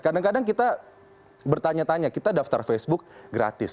kadang kadang kita bertanya tanya kita daftar facebook gratis